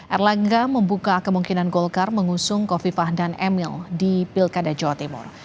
erlangga membuka kemungkinan golkar mengusung kofifah dan emil di pilkada jawa timur